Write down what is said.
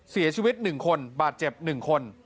เสียชีวิตหนึ่งคนบาดเจ็บหนึ่งคน